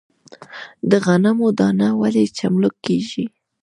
د غنمو دانه ولې چملک کیږي؟